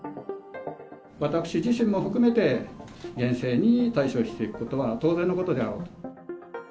私自身も含めて、厳正に対処していくことは、当然のことであろうと。